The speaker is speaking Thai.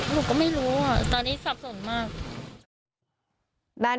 หนูก็ไม่รู้ตอนนี้สับสนมาก